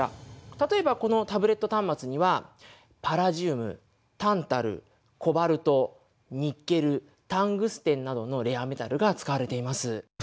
例えばこのタブレット端末にはパラジウムタンタルコバルトニッケルタングステンなどのレアメタルが使われています。